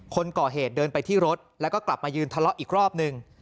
คนก่อเหตุเดินไปที่รถแล้วก็กลับมายืนทะเลาะอีกรอบหนึ่ง